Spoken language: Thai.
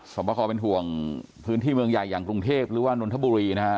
สอบประคอเป็นห่วงพื้นที่เมืองใหญ่อย่างกรุงเทพหรือว่านนทบุรีนะฮะ